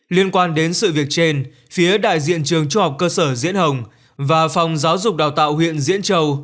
liên quan đến sự việc trên phía đại diện trường trung học cơ sở diễn hồng và phòng giáo dục đào tạo huyện diễn châu